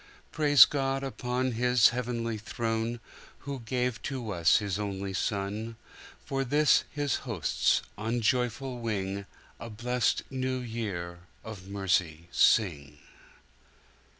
Praise God upon His heavenly throne, Who gave to us His only Son:For this His hosts, on joyful wing,A blest New Year of mercy sing.